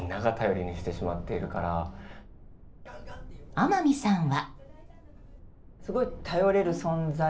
天海さんは。